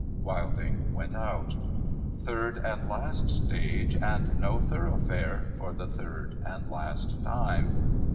Wilding went out. Third and last stage, and No Thoroughfare for the third and last time.